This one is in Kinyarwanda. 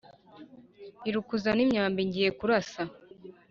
Iruka uzane imyambi ngiye kurasa